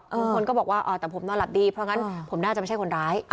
ลุงพลก็บอกว่าแต่ผมนอนหลับดีเพราะงั้นผมน่าจะไม่ใช่คนร้าย